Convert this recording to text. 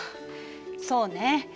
そうね。